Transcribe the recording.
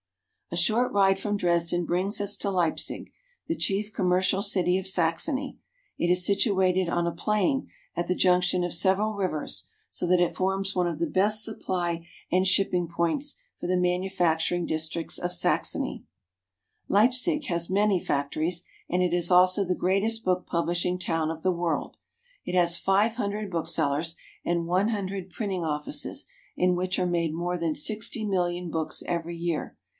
A short ride from Dresden brings us to Leipsig, the chief commercial city of Saxony. It is situated on a plain, at the junction of several rivers, so that it forms one of the best supply and shipping points for the manufacturing districts of Saxony. 228 GERMAxMY. Leipsig has many factories, and it is also the greatest book publishing town of the world. It has five hundred booksellers and one hundred printing offices, in which are made more than sixty million books every year.